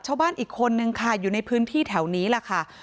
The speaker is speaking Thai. ชาวบ้านอีกคนนึงค่ะอยู่ในพื้นที่แถวนี้แหละค่ะ